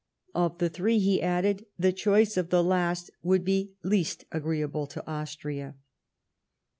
Of the three, he added, the choice of the last would be least agreeable to Austria.